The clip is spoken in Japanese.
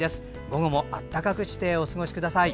午後も暖かくしてお過ごしください。